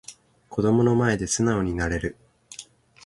子供の前で素直になれる